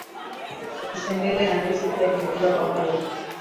matembele na ndizi pia huliwa pamoja